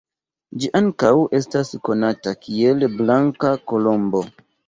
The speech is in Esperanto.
Ĝi ankaŭ estas konata kiel "Blanka Kolombo".